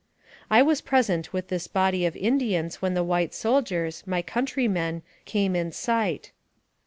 I was present with this body of Indians when the white soldiers my countrymen came in sight.